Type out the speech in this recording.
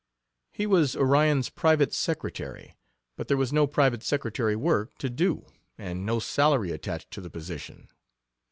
He was Orion's private secretary, but there was no private secretary work to do, and no salary attached to the position.